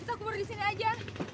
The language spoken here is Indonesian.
itu kubur di sini aja